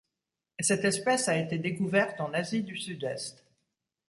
Cette espèce a été découverte en Asie du Sud-Est.